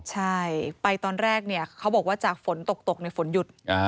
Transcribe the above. ใช่ไปตอนแรกเนี่ยเขาบอกว่าจากฝนตกในฝนหยุด